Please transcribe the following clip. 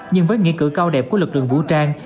nhưng với nghĩa cử cao đẹp của lực lượng vũ trang